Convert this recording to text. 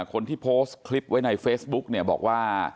คนที่โพสต์คลิปไว้ในเฟซบุ๊กเนี่ยบอกว่า